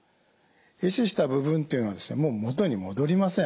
え死した部分というのはもう元に戻りません。